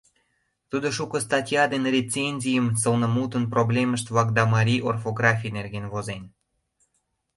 Тудо шуко статья ден рецензийым, сылнымутын проблемышт-влак да марий орфографий нерген возен.